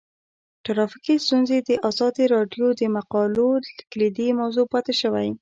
ټرافیکي ستونزې د ازادي راډیو د مقالو کلیدي موضوع پاتې شوی.